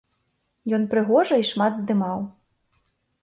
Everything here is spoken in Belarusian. Ён прыгожа і шмат здымаў.